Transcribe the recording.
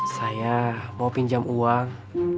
saya mau pinjam uang